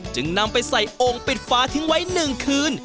จึงนำไปใส่โอ่งปิดฟ้าทิ้งไว้๑คืน